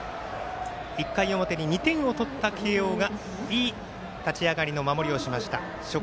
１回表に２点を取った慶応がいい立ち上がりの守りをしました。